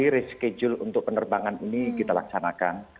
hari pagi reschedule untuk penerbangan ini kita laksanakan